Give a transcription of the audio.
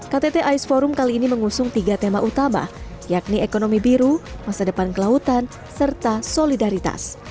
ktt ais forum kali ini mengusung tiga tema utama yakni ekonomi biru masa depan kelautan serta solidaritas